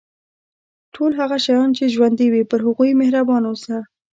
ټول هغه شیان چې ژوندي وي پر هغوی مهربان اوسه.